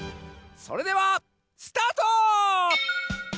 それではスタート！